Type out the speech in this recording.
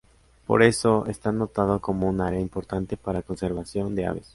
Por eso, está notado como un área importante para conservación de aves.